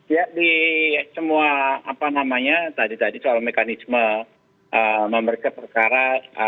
ya di semua apa namanya tadi tadi soal mekanisme memeriksa perkara